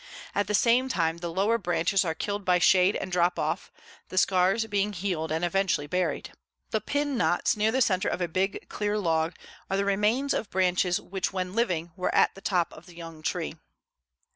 At the same time the lower branches are killed by shade and drop off, the scars being healed and eventually buried. The pin knots near the center of a big clear log are the remains of branches which when living were at the top of the young tree.